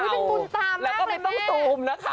อุ๊ยเป็นกุญตามากเลยแม่แล้วก็ไม่ต้องซูมนะคะ